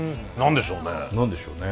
何でしょうね。